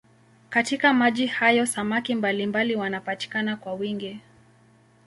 Katika maji hayo samaki mbalimbali wanapatikana kwa wingi.